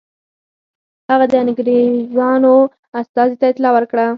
هغه د انګرېزانو استازي ته اطلاع ورکړه.